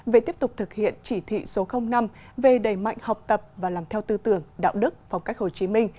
về tiếp tục thực hiện chỉ thị số năm về đầy mạnh học tập và làm theo tư tưởng đạo đức phong cách hồ chí minh